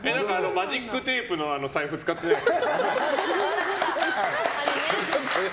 マジックテープの財布使ってないですか？